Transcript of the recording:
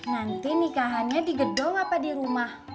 nanti nikahannya di gedung apa di rumah